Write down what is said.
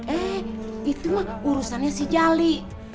eh itu urusannya si jali